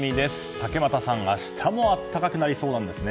竹俣さん、明日も暖かくなりそうなんですね？